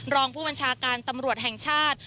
รองผู้บัญชาการตำรวจแห่งชาติ